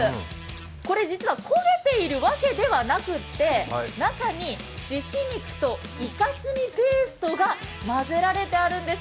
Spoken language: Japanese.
これ実は焦げているわけではなくて中にしし肉とイカスミペーストが混ぜられているんです。